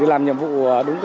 làm nhiệm vụ đúng